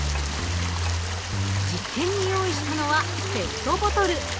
実験に用意したのはペットボトル。